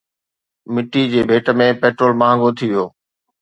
مئي جي ڀيٽ ۾ پيٽرول مهانگو ٿي ويو